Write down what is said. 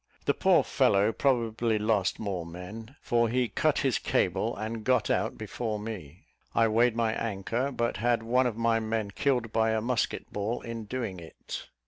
The poor fellow probably lost more men, for he cut his cable, and got out before me. I weighed my anchor, but had one of my men killed by a musket ball in doing it.